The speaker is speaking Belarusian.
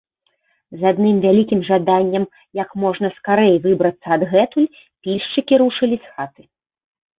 З адным вялікім жаданнем як можна скарэй выбрацца адгэтуль пільшчыкі рушылі з хаты.